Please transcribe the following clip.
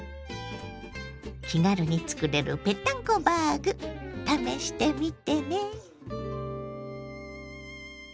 気軽につくれるぺったんこバーグ試してみてね。